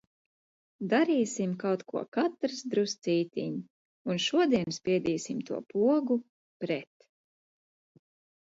"Darīsim kaut ko katrs druscītiņ un šodien spiedīsim to pogu "pret"."